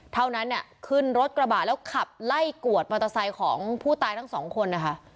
เท่านั้นเนี่ยขึ้นรถกระบะแล้วขับไล่กวดมอเตอร์ไซค์ของผู้ตายทั้งสองคนนะคะ